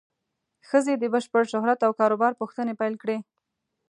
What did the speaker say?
ښځې د بشپړ شهرت او کار و بار پوښتنې پیل کړې.